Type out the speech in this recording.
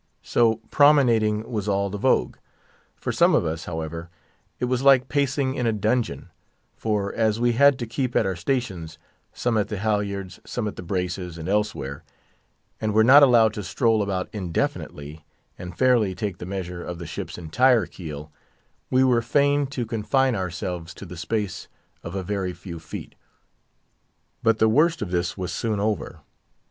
So promenading was all the vogue. For some of us, however, it was like pacing in a dungeon; for, as we had to keep at our stations—some at the halyards, some at the braces, and elsewhere—and were not allowed to stroll about indefinitely, and fairly take the measure of the ship's entire keel, we were fain to confine ourselves to the space of a very few feet. But the worse of this was soon over.